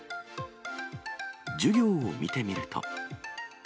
授業を見てみると。